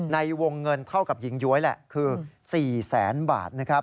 ในวงเงินเท่ากับหญิงย้วยแหละคือ๔๐๐๐๐๐บาท